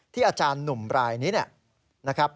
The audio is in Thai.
ที่อาจารย์หนุ่มรายนี้เนี่ย